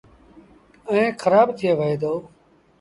ائيٚݩ کرآب ٿئي وهي دو۔